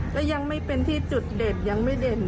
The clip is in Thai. ก็ยังไม่เป็นที่จุดเด็ดยังไม่เด่น